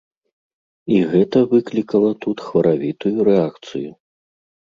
І гэта выклікала тут хваравітую рэакцыю.